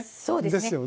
そうですね。